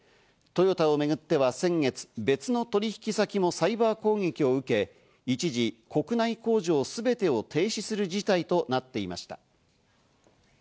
トヨタをめぐっては先月、別の取引先もサイバー攻撃を受け、一時、国内工場すべてを停止する事態となっていました。